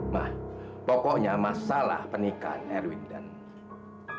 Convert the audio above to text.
ma pokoknya masalah pernikahan erwin dan ibu